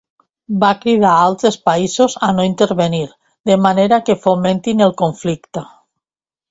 Va cridar a altres països a no intervenir de manera que fomentin el conflicte.